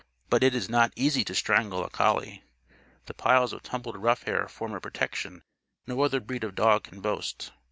But it is not easy to strangle a collie. The piles of tumbled ruff hair form a protection no other breed of dog can boast.